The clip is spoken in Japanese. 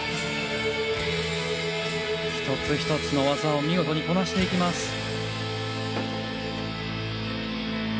一つ一つの技を見事にこなしていきます。